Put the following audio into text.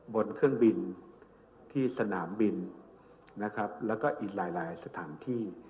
บนเครื่องบินที่สนามบินนะครับแล้วก็อีกหลายสถานที่